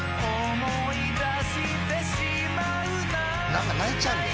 何か泣いちゃうんだよ。